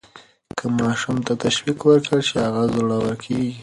که ماشوم ته تشویق ورکړل شي، هغه زړور کیږي.